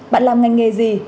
bạn làm ngành nghề gì